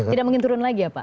tidak mungkin turun lagi ya pak